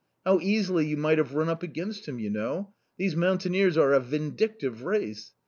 How easily you might have run up against him, you know! These mountaineers are a vindictive race!